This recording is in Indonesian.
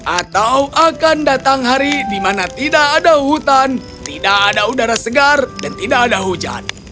atau akan datang hari di mana tidak ada hutan tidak ada udara segar dan tidak ada hujan